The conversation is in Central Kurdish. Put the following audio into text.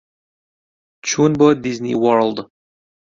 چوون بۆ دیزنی وۆرڵد.